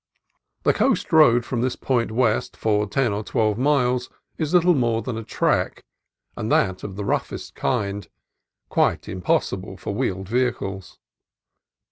The coast road from this point west for ten or twelve miles is little more than a track, and that of the roughest kind, quite impossible for wheeled vehi cles.